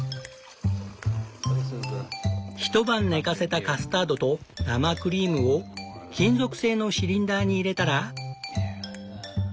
一晩寝かせたカスタードと生クリームを金属製のシリンダーに入れたら。